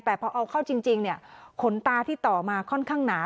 แต่พอเอาเข้าจริงขนตาที่ต่อมาค่อนข้างหนา